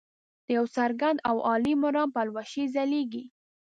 د یو څرګند او عالي مرام پلوشې ځلیږي.